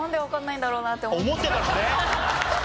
思ってたのね！